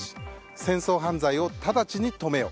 戦争犯罪をただちに止めよ。